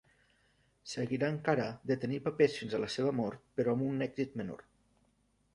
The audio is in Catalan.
Seguirà encara de tenir papers fins a la seva mort però amb un èxit menor.